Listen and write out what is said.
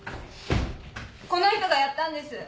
この人がやったんです。